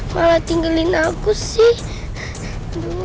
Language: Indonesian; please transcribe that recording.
malah tinggalin aku sih